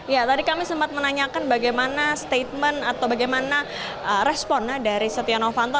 ya tadi kami sempat menanyakan bagaimana statement atau bagaimana respon dari setia novanto